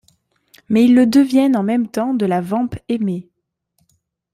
Mais ils le deviennent en même temps de la vamp Aimée.